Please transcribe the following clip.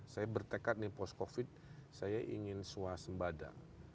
saya bertekad nih pos covid saya ingin suasembada